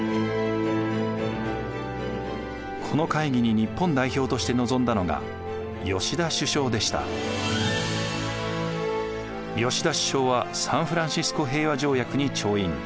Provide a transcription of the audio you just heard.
この会議に日本代表として臨んだのが吉田首相はサンフランシスコ平和条約に調印。